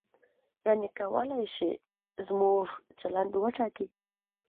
یعنې کولای شي زموږ چلند وټاکي.